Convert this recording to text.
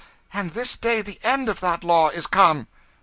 and this day the end of that law is come!"